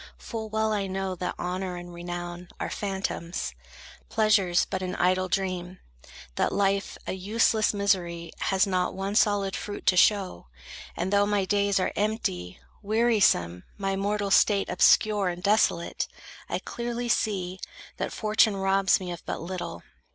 Full well I know that honor and renown Are phantoms; pleasures but an idle dream; That life, a useless misery, has not One solid fruit to show; and though my days Are empty, wearisome, my mortal state Obscure and desolate, I clearly see That Fortune robs me but of little.